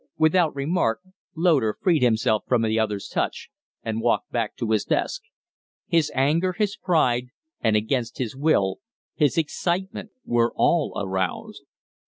Without remark Loder freed himself from the other's touch and walked back to his desk. His anger, his pride, and, against his will, his excitement were all aroused.